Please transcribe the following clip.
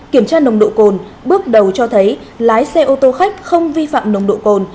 kiểm tra nồng độ cồn bước đầu cho thấy lái xe ô tô khách không vi phạm nồng độ cồn